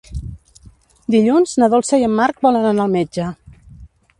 Dilluns na Dolça i en Marc volen anar al metge.